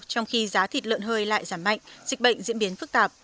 trong khi giá thịt lợn hơi lại giảm mạnh dịch bệnh diễn biến phức tạp